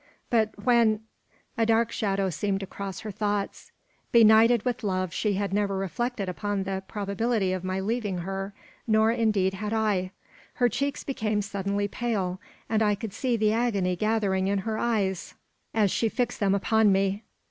"But when " A dark shadow seemed to cross her thoughts. Benighted with love, she had never reflected upon the probability of my leaving her, nor indeed had I. Her cheeks became suddenly pale; and I could see the agony gathering in her eyes, as she fixed them upon me.